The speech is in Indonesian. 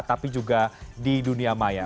tapi juga di dunia maya